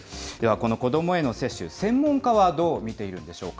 この子どもへの接種、専門家はどう見ているんでしょうか。